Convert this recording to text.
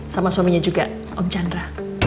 sama suaminya juga om chandra